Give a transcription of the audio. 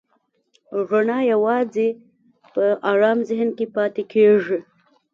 رڼا یواځې په آرام ذهن کې پاتې کېږي.